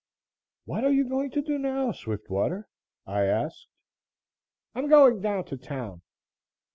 "What are you going to do now, Swiftwater?" I asked. "I'm going down to town."